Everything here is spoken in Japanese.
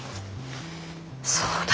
そうだ。